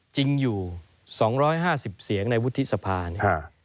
จริงอยู่๒๕๐เสียงในวุฒิสภาเนี่ย